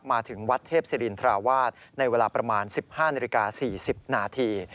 มาถึงวัดเทพศิรินทราวาสในเวลาประมาณ๑๕นาฬิกา๔๐นาที